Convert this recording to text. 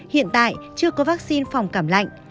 hiện tại chưa có vaccine phòng cảm lạnh